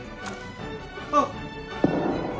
あっ！